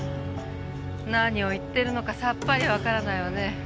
何を言ってるのかさっぱりわからないわね。